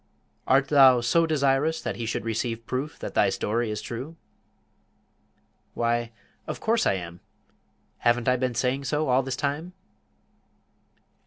"Art thou so desirous that he should receive proof that thy story is true?" "Why, of course I am! Haven't I been saying so all this time?"